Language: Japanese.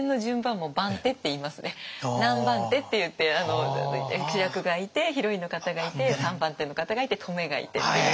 確かに何番手っていって主役がいてヒロインの方がいて３番手の方がいてトメがいてっていう。